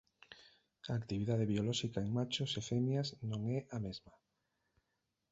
A actividade biolóxica en machos e femias non é a mesma.